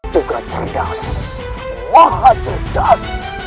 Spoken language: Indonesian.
tuga cerdas wah cerdas